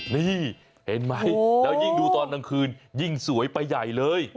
นี่เห็นไหมแล้วยิ่งดูตอนกลางคืนยิ่งสวยไปใหญ่เลย